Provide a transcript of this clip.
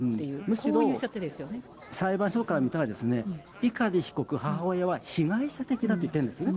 むしろ裁判所から見たら、碇被告、母親は被害者的だと言っているんですね。